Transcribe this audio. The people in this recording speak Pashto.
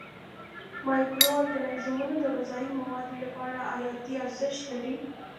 مایکرو ارګانیزمونه د غذایي موادو لپاره حیاتي ارزښت لري.